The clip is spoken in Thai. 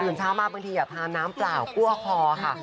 เตือนเช้ามาบางทีพาน้ำเปล่ากลัวคอค่ะ